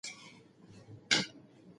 خلع د ښځې د راحت لپاره حق دی.